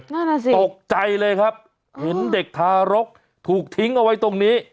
นั่นน่ะสิตกใจเลยครับเห็นเด็กทารกถูกทิ้งเอาไว้ตรงนี้